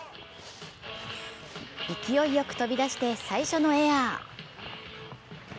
勢いよく飛び出して最初のエアー。